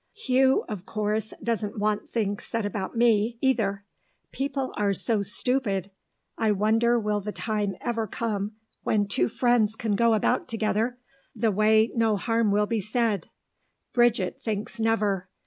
Hugh, of course, doesn't want things said about me, either. People are so stupid. I wonder will the time ever come when two friends can go about together the way no harm will be said. Bridget thinks never.